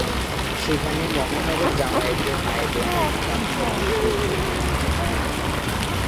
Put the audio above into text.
সেখানে মহানগর জামায়াতের নায়েবে আমীর আফসার উদ্দিন চৌধুরী ও উপস্থিত ছিলেন।